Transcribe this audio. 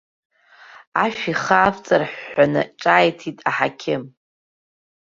Ашә ихы аавҵырҳәҳәаны ҿааҭит аҳақьым.